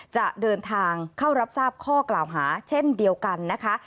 จะเดินทางเข้ารับทราบข้อกล่าวหาเช่นเดียวกันนะคะ